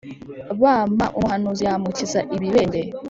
Bm umuhanuzi yamukiza ibibembe